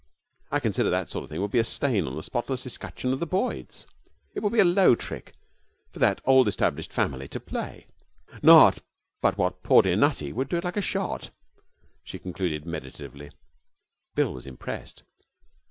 I consider that that sort of thing would stain the spotless escutcheon of the Boyds. It would be a low trick for that old established family to play. Not but what poor, dear Nutty would do it like a shot,' she concluded meditatively. Bill was impressed.